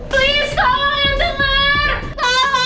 please tolong yang denger